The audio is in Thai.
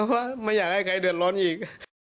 ว่าไม่อยากให้ใครเดือดร้อนอีก